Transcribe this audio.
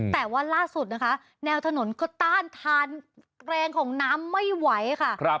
แต่ว่าล่าสุดนะคะแนวถนนก็ต้านทานแรงของน้ำไม่ไหวค่ะ